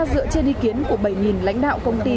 dựa trên ý kiến của bảy lãnh đạo công ty